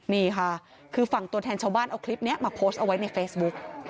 นี่ค่ะคือฝั่งตัวแทนชาวบ้านเอาคลิปนี้มาโพสต์เอาไว้ในเฟซบุ๊ก